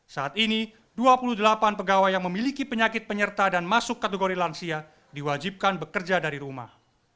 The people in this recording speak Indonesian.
saat ini dua puluh delapan pegawai yang memiliki penyakit penyerta dan masuk kategori lansia diwajibkan bekerja dari rumah